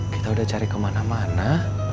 kita udah cari kemana mana